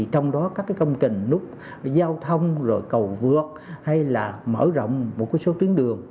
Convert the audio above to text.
trong đó các công trình nút giao thông cầu vượt hay là mở rộng một số tuyến đường